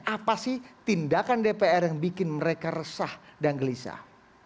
apa sih tindakan dpr yang bikin mereka resah dan gelisah